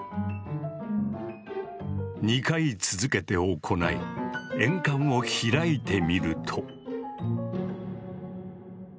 ２回続けて行い鉛管を開いてみると。